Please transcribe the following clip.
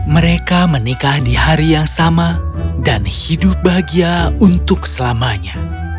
mereka menikah di hari yang sama dan hidup bahagia untuk selamanya